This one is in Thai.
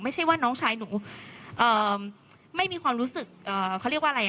ไม่ใช่ว่าน้องชายหนูไม่มีความรู้สึกเขาเรียกว่าอะไร